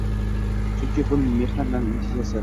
Chunki pul mehnat natijasi –